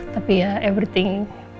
tapi ya everything